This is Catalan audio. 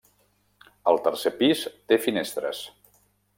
El tercer pis té finestres.